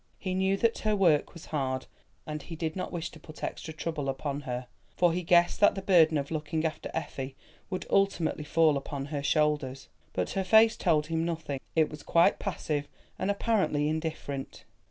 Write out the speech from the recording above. He knew that her work was hard, and he did not wish to put extra trouble upon her, for he guessed that the burden of looking after Effie would ultimately fall upon her shoulders. But her face told him nothing: it was quite passive and apparently indifferent.